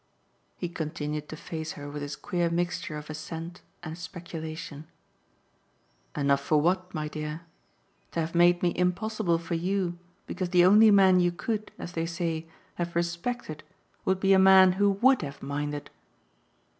He continued to face her with his queer mixture of assent and speculation. "Enough for what, my dear? To have made me impossible for you because the only man you could, as they say, have 'respected' would be a man who WOULD have minded?"